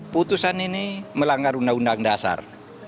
putusan ini melanggar undang undang dasar